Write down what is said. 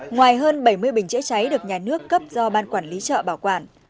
ngoài hơn bảy mươi bình chữa cháy được nhà nước cấp do ban quản lý chợ bảo quản